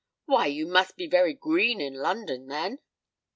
"Why, you must be very green in London, then."